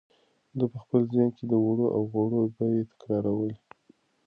ده په خپل ذهن کې د اوړو او غوړیو بیې تکرارولې.